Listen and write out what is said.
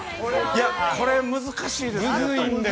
これ、難しいですね。